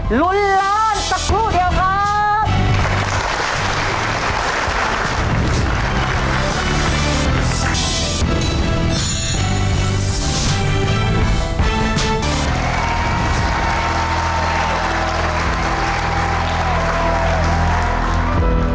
ลุ้นล้านสักครู่เดียวครับ